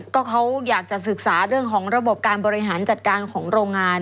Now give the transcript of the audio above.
ก็เขาอยากจะศึกษาเรื่องของระบบการบริหารจัดการของโรงงาน